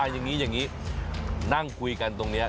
อย่างนี้นั่งคุยกันตรงนี้